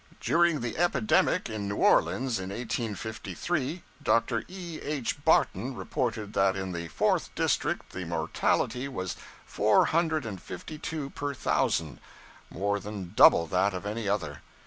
'During the epidemic in New Orleans in 1853, Dr. E. H. Barton reported that in the Fourth District the mortality was four hundred and fifty two per thousand more than double that of any other.